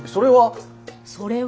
それは。